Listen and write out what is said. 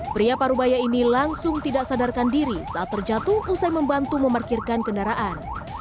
pria parubaya ini langsung tidak sadarkan diri saat terjatuh usai membantu memarkirkan kendaraan